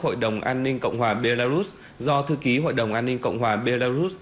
hội đồng an ninh cộng hòa belarus do thư ký hội đồng an ninh cộng hòa belarus